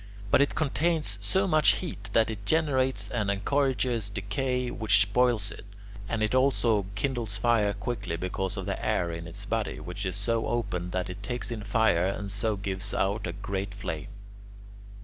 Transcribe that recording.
But it contains so much heat that it generates and encourages decay, which spoils it; and it also kindles fire quickly because of the air in its body, which is so open that it takes in fire and so gives out a great flame.